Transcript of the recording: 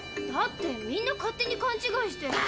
だってみんな勝手にかんちがいして。